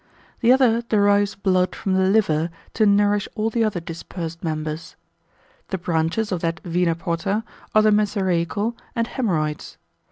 The other derives blood from the liver to nourish all the other dispersed members. The branches of that Vena porta are the mesaraical and haemorrhoids.